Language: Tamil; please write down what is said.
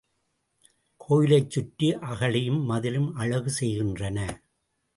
கோயிலைச் சுற்றி அகழியும், மதிலும் அழகு செய்கின்றன.